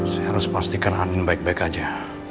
saya harus pastikan anin baik baik aja